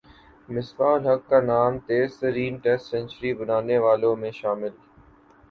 مصباح الحق کا نام تیز ترین ٹیسٹ سنچری بنانے والوںمیں شامل